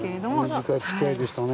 短いつきあいでしたね。